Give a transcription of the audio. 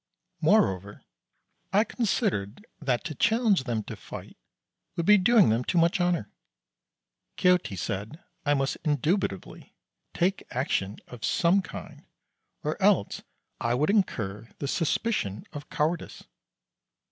Moreover, I considered that to challenge them to fight would be doing them too much honour. Quixote said I must indubitably, take action of some kind, or else I would incur the suspicion of cowardice.